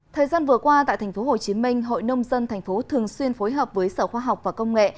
thời gian vừa qua tại tp hcm hội nông dân tp thường xuyên phối hợp với sở khoa học và công nghệ